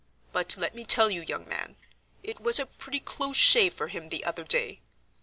But let me tell you, young man, it was a pretty close shave for him the other day.